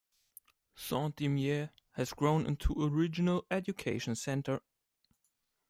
Saint-Imier has grown into a regional education center.